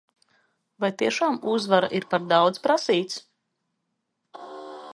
Vai tiešām uzvara ir par daudz prasīts?